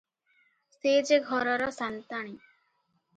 ସେ ଯେ ଘରର ସାନ୍ତାଣୀ ।